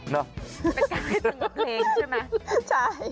เป็นการให้จังหวะเกรงใช่มะ